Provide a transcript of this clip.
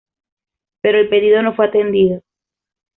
Pero el pedido no fue atendido.